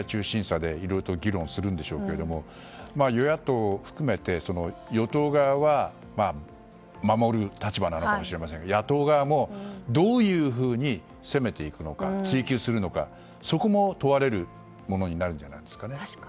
このあとの閉会中審査でいろいろ議論するんでしょうけど与野党含めて与党側は守る立場なのかもしれませんが野党側もどういうふうに追及していくのかそこも問われるものになるんじゃないでしょうかね。